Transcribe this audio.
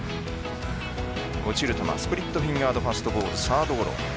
落ちる球、スプリットフィンガードファストボール、サードゴロ。